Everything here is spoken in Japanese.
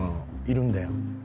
いるんだよ。